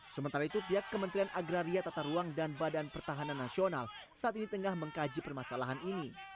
sementara itu pihak kementerian agraria tata ruang dan badan pertahanan nasional saat ini tengah mengkaji permasalahan ini